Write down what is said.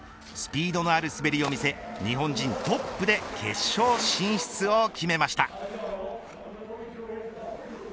スピードのある滑りを見せ日本人トップで決勝進出を決めました。